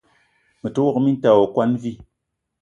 Me te wok minta ayi okwuan vi.